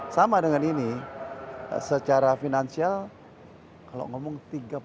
sama dengan ini secara finansial kalau ngomong tiga puluh dua triliun oh kering banget ya